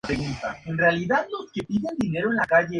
Gracias a sus dos primeras obras consiguió un agente.